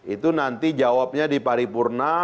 itu nanti jawabnya diparipurna